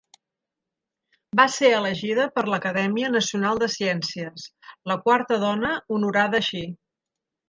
Va ser elegida per l'Acadèmia Nacional de Ciències, la quarta dona honorada així.